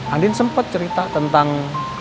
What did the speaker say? andin sempat cerita tentang